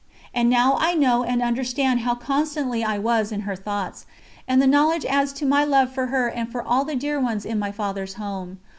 And now I know and understand how constantly I was in her thoughts, and the knowledge adds to my love for her and for all the dear ones in my Father's Home.